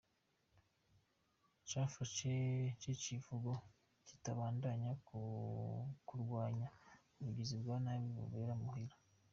Cafashwe nk'icivugo kizobandanya mu kurwanya ubugizi bwa nabi bubera muhira.